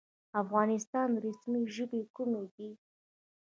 د افغانستان رسمي ژبې کومې دي؟